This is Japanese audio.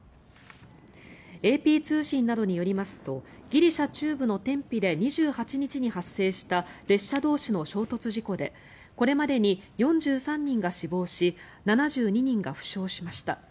ＡＰ通信などによりますとギリシャ中部のテンピで２８日に発生した列車同士の衝突事故でこれまでに４３人が死亡し７２人が負傷しました。